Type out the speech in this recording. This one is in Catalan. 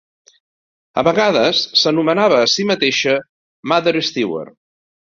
A vegades s'anomenava a si mateixa Mother Stewart.